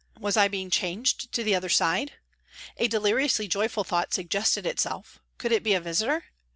Was I being changed to the other side ? A deliriously joyful thought suggested itself, could it be a visitor